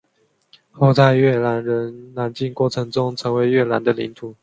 后在越南人南进过程中成为越南的领土。